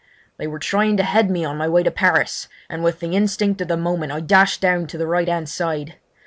They were trying to head me on my way to Paris, and with the instinct of the moment I dashed down to the right hand side.